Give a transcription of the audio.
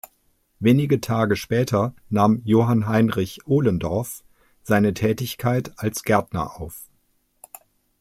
Wenige Tage später nahm Johann Heinrich Ohlendorff seine Tätigkeit als Gärtner auf.